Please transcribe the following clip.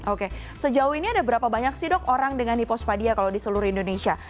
oke sejauh ini ada berapa banyak sih dok orang dengan hipospadia kalau di seluruh indonesia